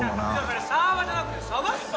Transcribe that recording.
それサーバーじゃなくて鯖っすよ！